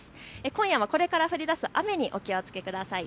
今夜もこれから降りだす雨にお気をつけください。